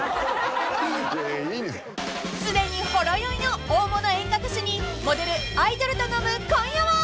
［すでにほろ酔いの大物演歌歌手にモデルアイドルと飲む今夜は！］